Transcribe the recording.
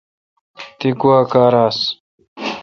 تی گوا کار آس۔